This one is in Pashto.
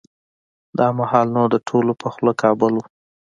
دا مهال نو د ټولو په خوله کابل و.